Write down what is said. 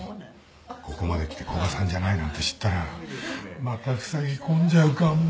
ここまできて古賀さんじゃないなんて知ったらまたふさぎ込んじゃうかも。